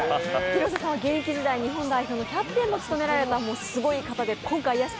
廣瀬さんは現役時代日本代表のキャプテンも務めていたすごい方です。